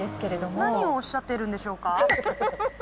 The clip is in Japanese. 何をおっしゃってるんでしょうか？